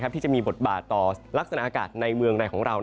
ที่จะมีบทบาทต่อลักษณะอากาศในเมืองในของเรา